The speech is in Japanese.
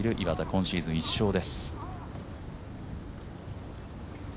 今シーズン１勝です。